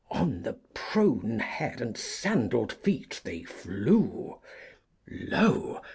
" On the prone head and sandal'd feet they flew — Lo